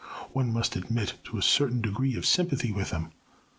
One must admit to a certain degree of sympathy with him.